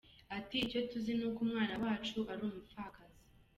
Ati “Icyo tuzi ni uko umwana wacu ari umupfakazi.